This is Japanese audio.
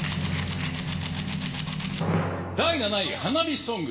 第７位、花火ソング。